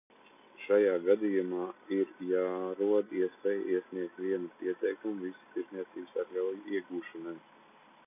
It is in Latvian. Šajā gadījumā ir jārod iespēja iesniegt vienu pieteikumu visu tirdzniecības atļauju iegūšanai.